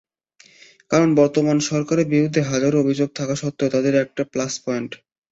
কারণ, বর্তমান সরকারের বিরুদ্ধে হাজারো অভিযোগ থাকা সত্ত্বেও, তাদের একটা প্লাস পয়েন্ট।